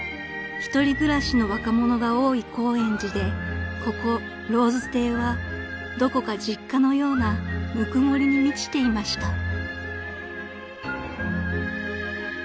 ［１人暮らしの若者が多い高円寺でここ薔薇亭はどこか実家のようなぬくもりに満ちていました］